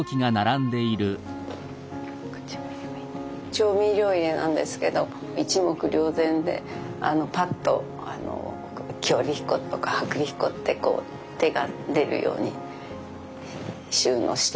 調味料入れなんですけど一目瞭然でパッと強力粉とか薄力粉ってこう手が出るように収納してみました。